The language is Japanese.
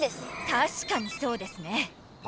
たしかにそうですね。